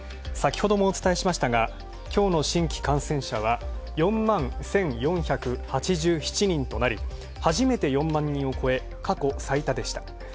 先ほどお伝えしましたがきょうの新規感染者は４万１４８７人となりはじめて４万人を超え、過去最多でした。